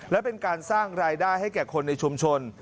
และเป็นการสร้างรายได้ให้แก่คนในชุมชน